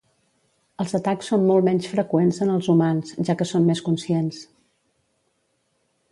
Els atacs són molt menys freqüents en els humans, ja que són més conscients.